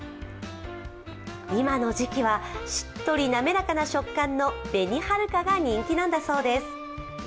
今の時期はしっとり滑らかな食感の紅はるかが人気なんだそうです。